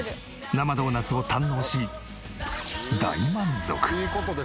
生ドーナツを堪能し大満足。